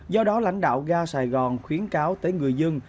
do đó lãnh đạo ga sài gòn khuyến cáo tới người dân